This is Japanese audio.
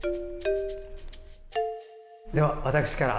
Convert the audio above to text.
では、私から。